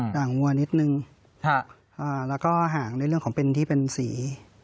ห่างวัวนิดนึงแล้วก็ห่างในเรื่องของเป็นที่เป็นสี